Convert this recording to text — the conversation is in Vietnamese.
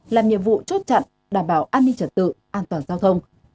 làm nhiệm vụ chốt chặn đảm bảo an ninh trật tự an toàn giao thông